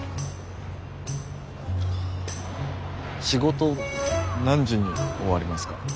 仕事何時に終わりますか？